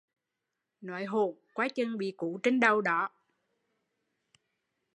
Nói hỗn bị cú trên đầu